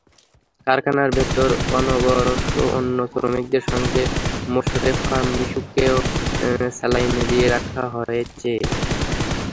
কারখানার ভেতরে অনশনরত অন্য শ্রমিকদের সঙ্গে মোশরেফা মিশুকেও স্যালাইন দিয়ে রাখা হয়েছে।